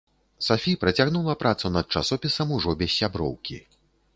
Сафі працягнула працу над часопісам ўжо без сяброўкі.